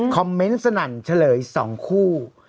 คอมเมนต์สนั่นเฉลย๒คู่